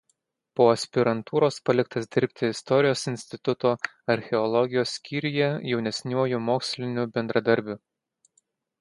Po aspirantūros paliktas dirbti Istorijos instituto Archeologijos skyriuje jaunesniuoju moksliniu bendradarbiu.